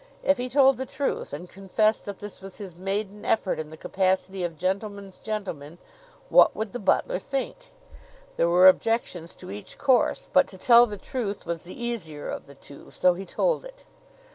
If he told the truth and confessed that this was his maiden effort in the capacity of gentleman's gentleman, what would the butler think? There were objections to each course, but to tell the truth was the easier of the two; so he told it.